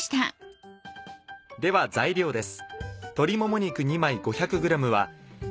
では材料です。